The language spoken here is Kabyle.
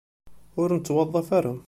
Ur nettwaḍḍaf ara.